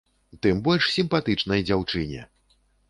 Тым больш сімпатычнай дзяўчыне!